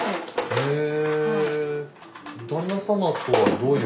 へえ！